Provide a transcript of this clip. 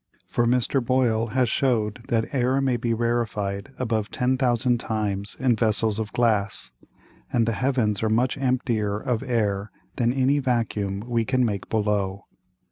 For Mr. Boyle has shew'd that Air may be rarified above ten thousand times in Vessels of Glass; and the Heavens are much emptier of Air than any Vacuum we can make below.